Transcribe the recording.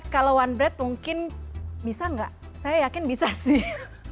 kalau one bread mungkin bisa nggak saya yakin bisa sih